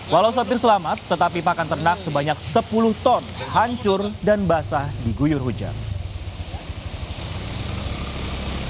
walau sopir selamat tetapi pakan ternak sebanyak sepuluh ton hancur dan basah diguyur hujan